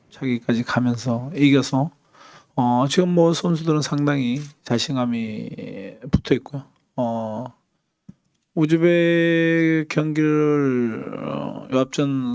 sekarang pelatihnya sangat berpikir dan saya sangat yakin